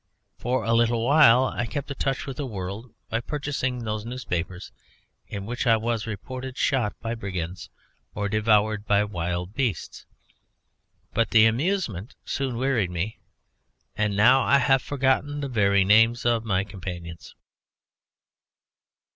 For a little while I kept a touch with the world by purchasing those newspapers in which I was reported shot by brigands or devoured by wild beasts, but the amusement soon wearied me, and now I have forgotten the very names of my companions."